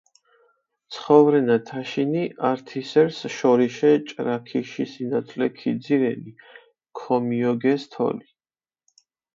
ცხოვრენა თაშინი, ართი სერს შორიშე ჭრაქიში სინათლე ქიძირენი, ქომიოგეს თოლი.